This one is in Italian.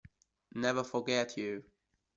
Never Forget You